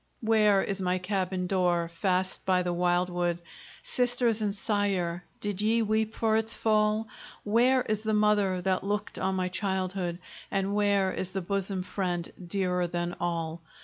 Where is my cabin door, fast by the wildwood? Sisters and sire! did ye weep for its fall? Where is the mother that looked on my childhood? And where is the bosom friend, dearer than all?